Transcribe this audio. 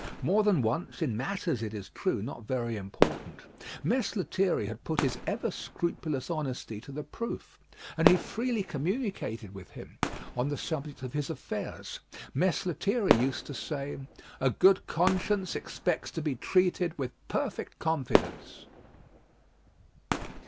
More than once in matters, it is true, not very important Mess Lethierry had put his ever scrupulous honesty to the proof; and he freely communicated with him on the subject of his affairs. Mess Lethierry used to say, "A good conscience expects to be treated with perfect confidence."